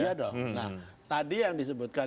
iya dong nah tadi yang disebutkan